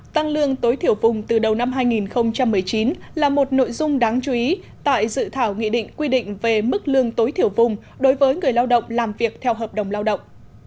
tăng lương tối thiểu vùng từ đầu năm hai nghìn một mươi chín là một nội dung đáng chú ý tại dự thảo nghị định quy định về mức lương tối thiểu vùng đối với người lao động làm việc theo hợp đồng lao động